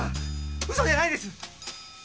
嘘じゃないです。